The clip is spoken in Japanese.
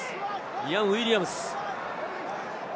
リアム・ウィリアムズ。